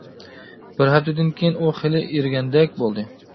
بىر ھەپتىدىن كېيىن ئۇ خېلى ئېرىگەندەك بولدى.